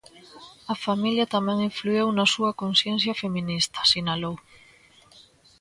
A familia tamén influíu na súa conciencia feminista, sinalou.